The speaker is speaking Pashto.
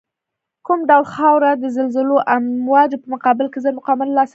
کوم ډول خاوره د زلزلوي امواجو په مقابل کې زر مقاومت له لاسه ورکوی